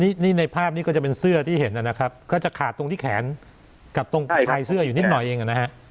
นี่ในภาพนี้ก็จะเป็นเสื้อที่เห็นนะครับก็จะขาดตรงที่แขนกับตรงชายเสื้ออยู่นิดหน่อยเองอ่ะนะฮะ